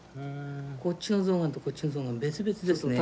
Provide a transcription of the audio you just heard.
こっちの象眼とこっちの象眼別々ですね。